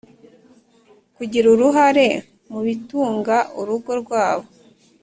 kugira uruhare mu bitunga urugo rwabo